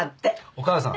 お母さん